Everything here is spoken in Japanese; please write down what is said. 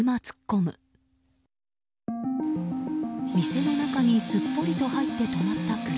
店の中にすっぽりと入って止まった車。